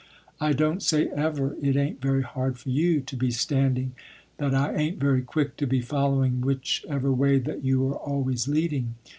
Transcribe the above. I don't say ever, it ain't very hard for you to be standing that I ain't very quick to be following whichever way that you are always leading.